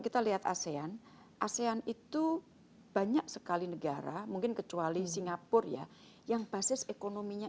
kita lihat asean asean itu banyak sekali negara mungkin kecuali singapura ya yang basis ekonominya